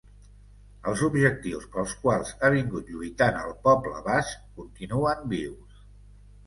Els objectius pels quals ha vingut lluitant el poble basc continuen vius.